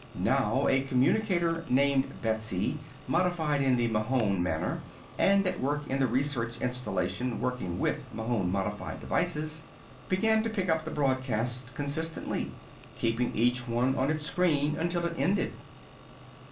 Now a communicator named Betsy, modified in the Mahon manner and at work in the research installation working with Mahon modified devices, began to pick up the broadcasts consistently, keeping each one on its screen until it ended.